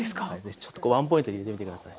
ちょっとこうワンポイントで入れてみて下さい。